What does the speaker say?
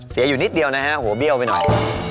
อยู่นิดเดียวนะฮะหัวเบี้ยวไปหน่อย